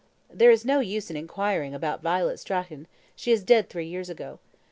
There is no use in inquiring about Violet Strachan; she is dead three years ago.